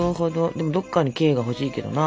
でもどっかにＫがほしいけどな。